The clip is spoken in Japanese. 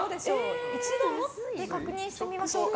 一度持って確認してみましょうか。